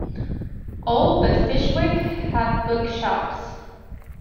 All but Fyshwick have book shops.